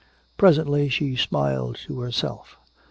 Presently she smiled to herself.